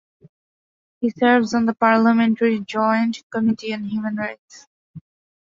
He serves on the Parliamentary Joint Committee on Human Rights.